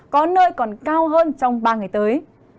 có nơi còn cao hơn trong ba ngày tới